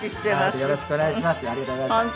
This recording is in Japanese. よろしくお願いします。